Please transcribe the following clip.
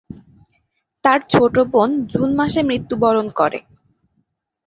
তার ছোট বোন জুন মাসে মৃত্যুবরণ করে।